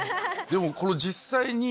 でもこの実際に。